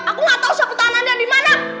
aku gak tau sapu tangan anda dimana